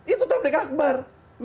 itu takbik akbar